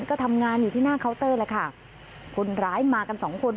ก็ทำงานอยู่ที่หน้าเคาน์เตอร์แหละค่ะคนร้ายมากันสองคน